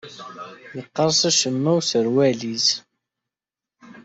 Yeqqers acemma userwal-is.